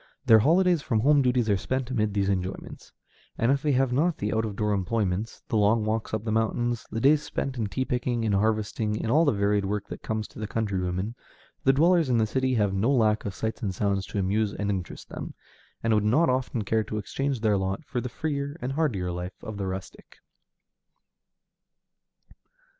Their holidays from home duties are spent amid these enjoyments; and if they have not the out of door employments, the long walks up the mountains, the days spent in tea picking, in harvesting, in all the varied work that comes to the country woman, the dwellers in the city have no lack of sights and sounds to amuse and interest them, and would not often care to exchange their lot for the freer and hardier life of the rustic.